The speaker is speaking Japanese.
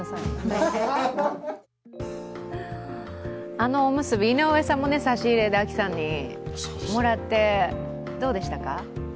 あのおむすび井上さんも差し入れで亜希さんにもらって、どうでしたか？